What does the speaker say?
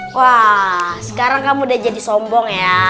wah sekarang kamu udah jadi sombong ya